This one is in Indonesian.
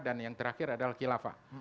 dan yang terakhir adalah kilafah